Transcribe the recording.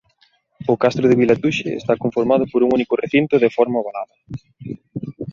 O castro de Vilatuxe está conformado por un único recinto de forma ovalada.